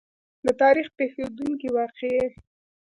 د تاریخ پېښېدونکې واقعې.